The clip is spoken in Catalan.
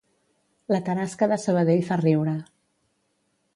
La tarasca de Sabadell fa riure